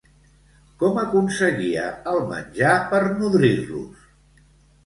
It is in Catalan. Com aconseguia el menjar per nodrir-los?